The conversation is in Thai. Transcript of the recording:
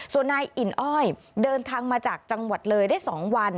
ส่วนนายอิ่นอ้อยเดินทางมาจากจังหวัดเลยได้๒วัน